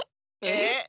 えっ？